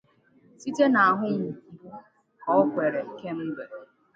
site n’ahụ mgbu nke O nwere kemgbe.